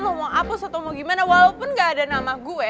lo mau hapus atau mau gimana walaupun gak ada nama gue